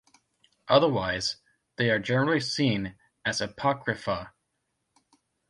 Otherwise, they are generally seen as 'apocrypha'.